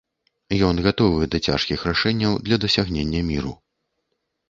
Ён гатовы да цяжкіх рашэнняў для дасягнення міру.